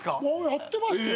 ⁉やってましたよ。